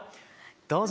どうぞ。